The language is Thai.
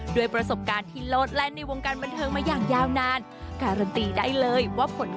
ด้วยประสบการณ์ที่โลดแลนด์ในวงการบันเทิงมาอย่างยาวนาน